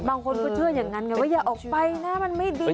บางคนก็เชื่ออย่างนั้นไงว่าอย่าออกไปนะมันไม่ดี